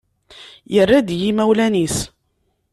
Yerra-d i yimawlan-is.